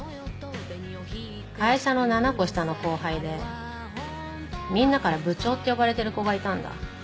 会社の７個下の後輩でみんなから部長って呼ばれてる子がいたんだ。